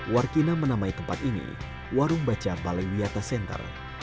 warkina menamai tempat ini warung baca balaiwiata center